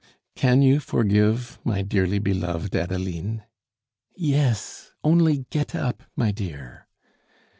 "Can you forgive, my dearly beloved Adeline?" "Yes, only get up, my dear!"